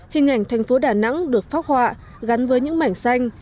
hình ảnh thành phố đà nẵng được phát họa gắn với những mảnh xanh